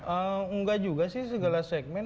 enggak juga sih segala segmen